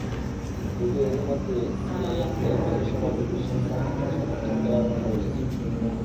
যদিও এরই মধ্যে সিএএফ এএফসির সভাপতি শেখ সালমানকে সমর্থন দেওয়ার কথা বলেছে।